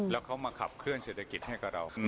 แล้วเขามาขับเคลื่อเศรษฐกิจให้กับเรา